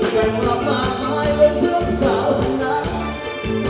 แผ่นมามาง่ายเล้ยเพิ่งเป็นสาวจะได้